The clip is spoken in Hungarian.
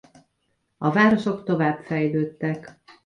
A városok tovább fejlődtek.